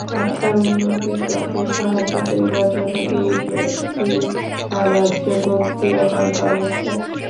আত্মার উন্নতিপথে সাহায্য করিবার জন্য এই বৈধী বা বাহ্য ভক্তি একান্ত আবশ্যক।